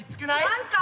何か。